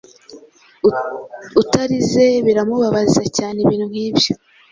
utarize biramubabaza cyane ibintu nkibyo